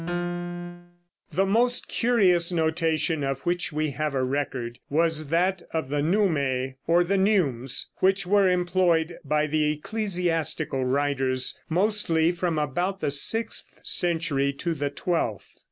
] The most curious notation of which we have a record was that of the neumæ, or neumes, which were employed by the ecclesiastical writers mostly from about the sixth century to the twelfth.